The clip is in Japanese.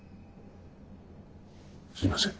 すいません。